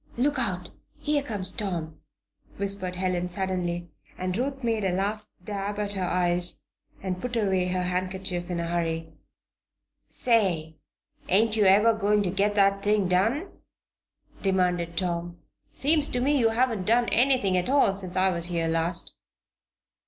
"Look out! here comes Tom," whispered Helen, suddenly, and Ruth made a last dab at her eyes and put away her handkerchief in a hurry. "Say! ain't you ever going to get that thing done?" demanded Tom. "Seems to me you haven't done anything at all since I was here last."